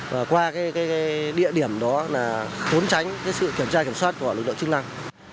và qua cái địa điểm đó là khốn tránh sự kiểm tra kiểm soát của lực lượng chức năng